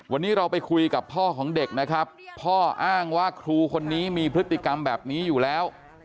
วันนี้เราไปคุยกับพ่อของเด็กนะครับพ่ออ้างว่าครูคนนี้มีพฤติกรรมแบบนี้อยู่แล้ว